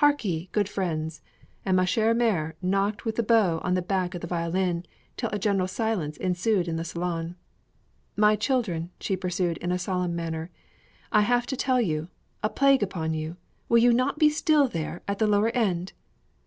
Hark ye, good friends!" and ma chère mère knocked with the bow on the back of the violin, till a general silence ensued in the salon. "My children," she pursued in a solemn manner, "I have to tell you a plague upon you! will you not be still there, at the lower end?